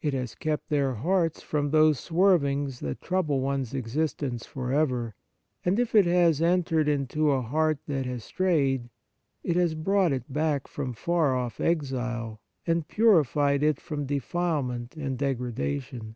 It has kept their hearts from those swervings that trouble one's existence for ever, and if it has entered into a heart that has strayed, it has brought it back 152 The Fruits of Piety from far off exile and purified it from defilement and degradation.